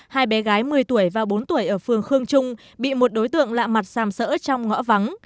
hai bé gái một mươi tuổi và bốn tuổi ở phường khương trung bị một đối tượng lạ mặt sàm sỡ trong ngõ vắng